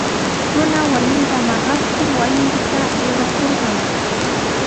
Runa warminta maqaskir wasinpita aywakurqan.